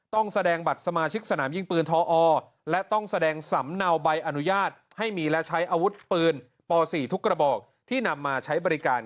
ต้องแสดงบัตรสมาชิกสนามยิงปืนทอและต้องแสดงสำเนาใบอนุญาตให้มีและใช้อาวุธปืนป๔ทุกกระบอกที่นำมาใช้บริการ